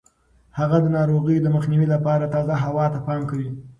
هغه د ناروغیو د مخنیوي لپاره تازه هوا ته پام کوي.